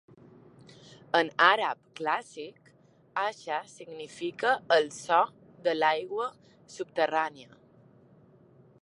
En àrab clàssic, Ahsa significa el so de l'aigua subterrània.